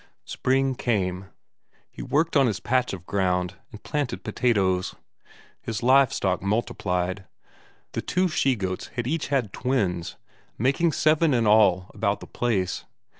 Spring came; he worked on his patch of ground, and planted potatoes. His livestock multiplied; the two she goats had each had twins, making seven in all about the place.